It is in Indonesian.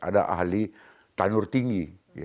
ada ahli tanur tinggi